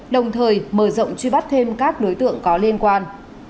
đồng thời mở rộng truy bắt thêm các đối tượng có liên quan